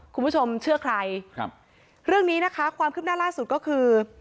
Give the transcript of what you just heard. คุณผู้ชมเชื่อใครครับเรื่องนี้นะคะความคืบหน้าล่าสุดก็คือ